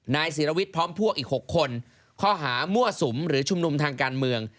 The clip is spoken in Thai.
นายศิรวิทย์พร้อมพวกอีก๖คนข้อหามั่วสุมหรือชุมนุมทางการเมือง